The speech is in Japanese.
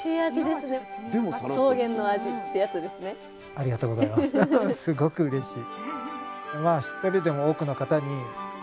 すごくうれしい。